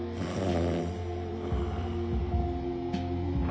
ああ。